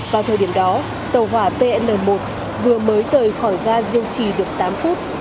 vào thời điểm đó tàu hỏa tn một vừa mới rời khỏi ga diêu trì được tám phút